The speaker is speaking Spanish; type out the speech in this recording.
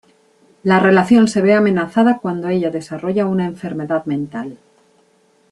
La relación se ve amenazada cuando ella desarrolla una enfermedad mental.